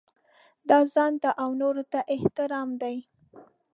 دا ځانته او نورو ته احترام دی.